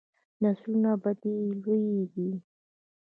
نسلونه په دې لویږي.